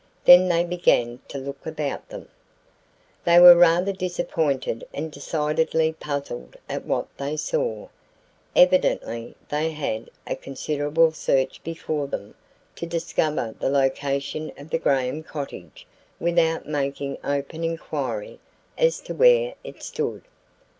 Then they began to look about them. They were rather disappointed and decidedly puzzled at what they saw. Evidently they had a considerable search before them to discover the location of the Graham cottage without making open inquiry as to where it stood.